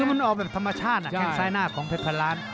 คือมันออกแบบธรรมชาติแค่งซ้ายหน้าของเพชรพันล้าน